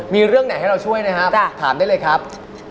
มีเรื่องไหนให้เราช่วยนะครับถามได้เลยครับ